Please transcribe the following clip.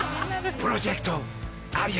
「プロジェクト有吉」。